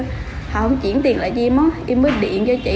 họ không chuyển tiền lại cho em em mới điện cho chị